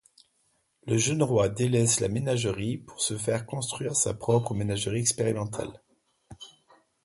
Le jeune roi délaisse la ménagerie pour se faire construire sa propre ménagerie expérimentale.